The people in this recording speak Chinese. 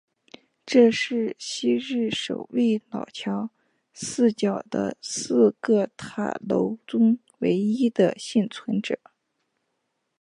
这是昔日守卫老桥四角的四个塔楼中唯一的幸存者。